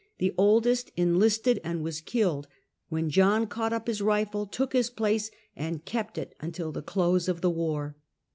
The oldest enlisted and was killed, when John caught up his rifle, took his place, and kept it until the close of the war.